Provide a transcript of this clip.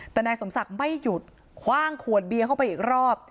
แต่นายสมศักดิ์ไม่หยุดคว่างขวดเบียเข้าไปอีกรอบ